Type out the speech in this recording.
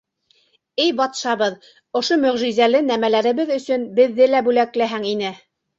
— Эй батшабыҙ, ошо мөғжизәле нәмәләребеҙ өсөн беҙҙе лә бүләкләһәң ине.